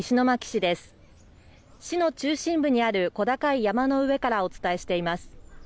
市の中心部にある小高い山の上からお伝えしています。